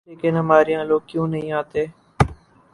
لیکن ہمارے ہاں لوگ کیوں نہیں آتے؟